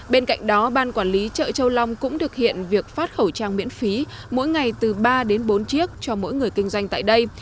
bên cạnh đó ban quản lý chợ châu long cũng thực hiện việc phát khẩu trang miễn phí mỗi ngày từ ba đến bốn chiếc cho mỗi người kinh doanh tại đây